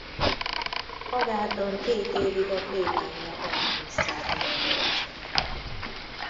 Agárdon két évig a plébánia adminisztrátora volt.